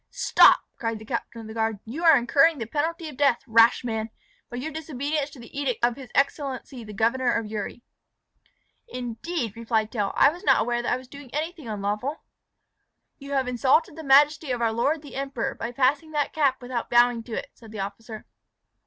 "Stop!" cried the captain of the guard; "you are incurring the penalty of death, rash man, by your disobedience to the edict of his excellency the Governor of Uri." "Indeed!" replied Tell. "I was not aware that I was doing anything unlawful." "You have insulted the majesty of our lord the Emperor by passing that cap without bowing to it," said the officer.